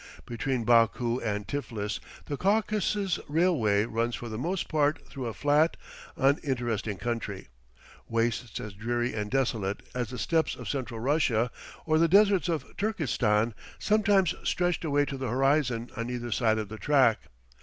Between Baku and Tiflis, the Caucasus Railway runs for the most part through a flat, uninteresting country. Wastes as dreary and desolate as the steppes of Central Russia or the deserts of Turkestan sometimes stretched away to the horizon on either side of the track.